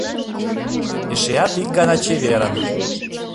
Эшеат ик гана чеверын.